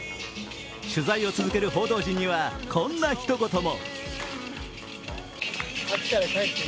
取材を続ける報道陣には、こんな一言も。